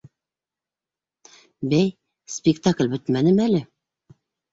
Бәй, спектакль бөтмәнеме әле?